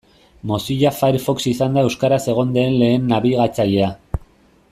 Mozilla Firefox izan da euskaraz egon den lehen nabigatzailea.